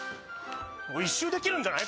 １周できるんじゃない？